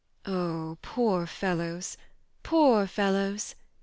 Oh, poor fellows ... poor fellows.